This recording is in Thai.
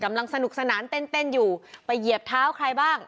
กำลังสนุกสนานเต้นเต้นอยู่ไปเหยียบเท้าใครบ้าง